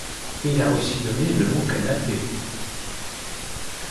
Il a aussi donné le mot canapé.